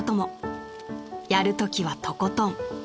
［やるときはとことん］